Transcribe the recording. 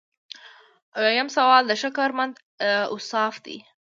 اویایم سوال د ښه کارمند اوصاف دي.